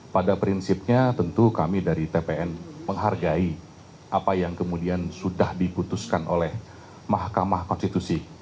pada prinsipnya tentu kami dari tpn menghargai apa yang kemudian sudah diputuskan oleh mahkamah konstitusi